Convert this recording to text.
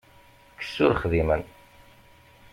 Kkes ur xdimen.